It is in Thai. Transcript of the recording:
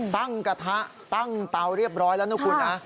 กระทะตั้งเตาเรียบร้อยแล้วนะคุณนะ